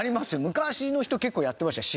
昔の人結構やってましたよ。